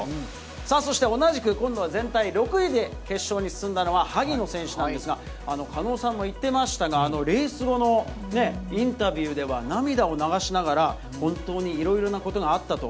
さあ、そして同じく今度は全体６位で決勝に進んだのは、萩野選手なんですが、狩野さんも言ってましたが、レース後のインタビューでは、涙を流しながら、本当にいろいろなことがあったと。